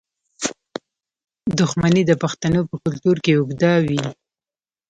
دښمني د پښتنو په کلتور کې اوږده وي.